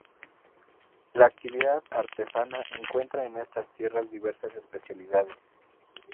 La actividad artesana encuentra en estas tierras diversas especialidades.